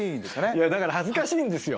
いやだから恥ずかしいんですよ。